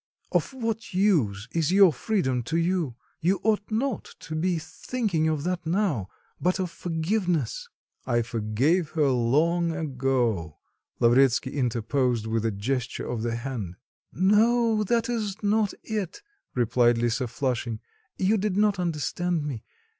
Of what use is your freedom to you? You ought not to be thinking of that now, but of forgiveness." "I forgave her long ago," Lavretsky interposed with a gesture of the hand. "No, that is not it," replied Lisa, flushing. "You did not understand me.